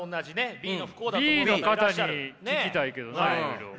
Ｂの方に聞きたいけどないろいろ。